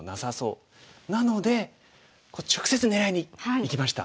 なので直接狙いにいきました。